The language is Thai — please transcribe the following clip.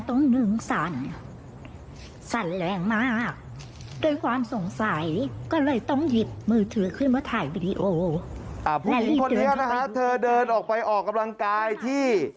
ผู้หญิงคนนี้นะฮะเธอเดินออกไปออกกำลังกายที่